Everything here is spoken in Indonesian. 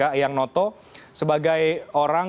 ayang noto sebagai orang